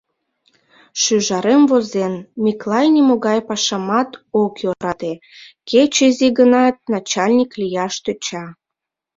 Шӱжарем возен: «Миклай нимогай пашамат ок йӧрате, кеч изи гынат, начальник лияш тӧча.